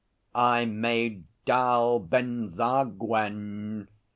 I made 'Dal Benzaguen.'